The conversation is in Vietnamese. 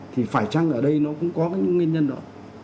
thì phải chăng ở đây nó cũng có những nguyên nhân đó